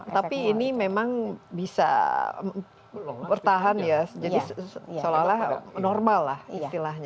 tapi ini memang bisa bertahan ya jadi seolah olah normal lah istilahnya